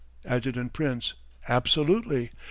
Adjt. Prince: Absolutely.